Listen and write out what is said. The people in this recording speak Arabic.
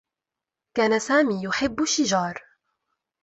كان سامي يحبّ الشّجار.